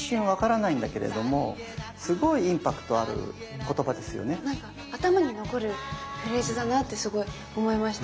なんか頭に残るフレーズだなってすごい思いました。